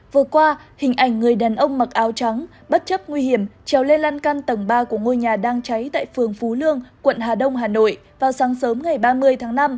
vừa qua hình ảnh người đàn ông mặc áo trắng bất chấp nguy hiểm trèo lây lan căn tầng ba của ngôi nhà đang cháy tại phường phú lương quận hà đông hà nội vào sáng sớm ngày ba mươi tháng năm